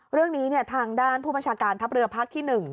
เรื่องนี้ทางด้านผู้บัญชาการทัพเรือภาคที่๑